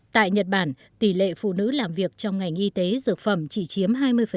tại nhật bản tỷ lệ phụ nữ làm việc trong ngành y tế dược phẩm chỉ chiếm hai mươi